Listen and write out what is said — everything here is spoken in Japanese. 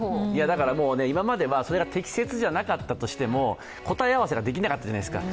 だから、今まではそれが適切じゃなかったとしても答え合わせができなかったじゃないですか。